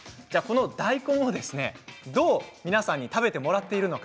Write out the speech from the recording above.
大根を、どう皆さんに食べてもらっているのか